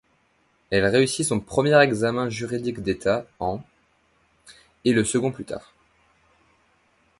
Elle réussit son premier examen juridique d'État en et le second plus tard.